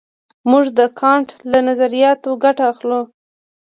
موږ د کانټ له نظریاتو ګټه اخلو.